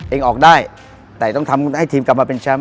ออกได้แต่ต้องทำให้ทีมกลับมาเป็นแชมป์